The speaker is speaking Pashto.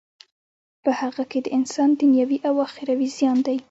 په هغه کی د انسان دینوی او اخروی زیان دی.